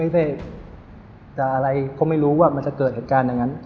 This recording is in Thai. จะอะไรก็ไม่รู้ว่ามันจะเกิดเหตุการณ์อย่างนั้น